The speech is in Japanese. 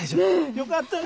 よかったね。